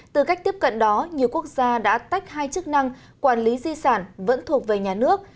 từ cách tiếp cận đó nhiều quốc gia đã tách hai chức năng quản lý di sản vẫn thuộc về nhà nước